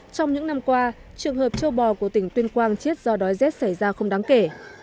trong những năm qua trường hợp châu bò của tỉnh tuyên quang chết do đói rét xảy ra không đáng kể